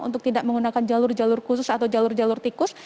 untuk tidak menggunakan jalur jalur khusus atau jalur jalur tikus